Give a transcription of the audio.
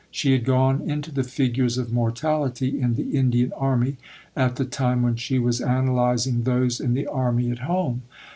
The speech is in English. She had gone into the figures of mortality in the Indian army at the time when she was analysing those in the army at home.